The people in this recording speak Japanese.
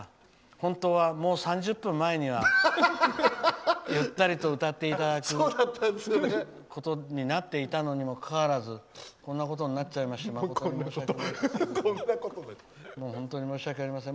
本当は、もう３０分前にはゆったりと歌っていただくことになっていたのにもかかわらずこんなことになっちゃいまして誠に申し訳ありません。